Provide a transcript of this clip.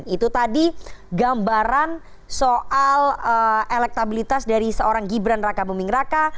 itu tadi gambaran soal elektabilitas dari seorang gibran raka buming raka